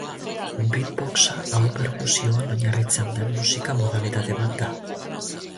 Beatboxa aho-perkusioan oinarritzen den musika modalitate bat da.